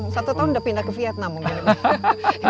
satu tahun udah pindah ke vietnam mungkin